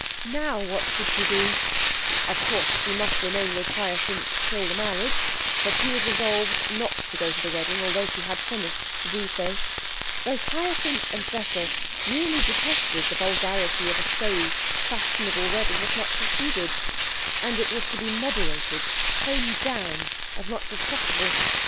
Now what should she do? Of course she must remain with Hyacinth till the marriage, but she was resolved not to go to the wedding, although she had promised to do so. Both Hyacinth and Cecil really detested the vulgarity of a showy fashionable wedding as much as she did, and it was to be moderated, toned down as much as possible.